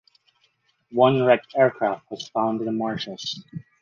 One wrecked aircraft was found on the marshes.